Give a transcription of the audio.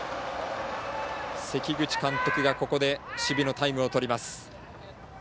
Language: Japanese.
関口監督がここで守備のタイムをとります。